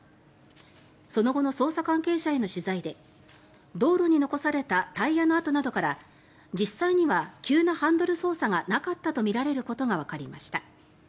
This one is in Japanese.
その後の捜査関係者への取材で道路に残されたタイヤの跡などから実際には急なハンドル操作がなかったとみられることがわかりました。